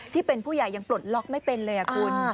ที่เป็นผู้ใหญ่ยังปลดล็อกไม่เป็นเลยคุณ